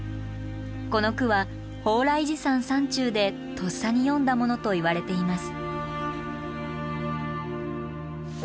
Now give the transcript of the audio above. この句は鳳来寺山山中でとっさに詠んだものといわれています。